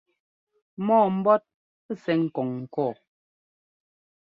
Mɔ́ɔ mbɔ́t sɛ́ ŋ́kɔ́ŋ ŋkɔɔ.